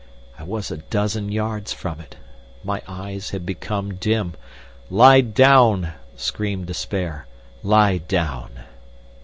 I was a dozen yards from it. My eyes had become dim. "Lie down!" screamed despair; "lie down!"